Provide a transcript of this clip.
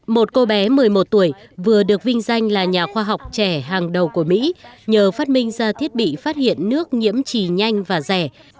một cô bé một mươi một tuổi vừa được vinh danh là nhà khoa học trẻ hàng đầu của mỹ nhờ phát minh ra thiết bị phát hiện nước nhiễm trì nhanh và rẻ